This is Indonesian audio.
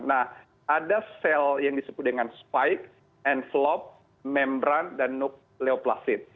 nah ada sel yang disebut dengan spike and vlog membran dan nukleoplasid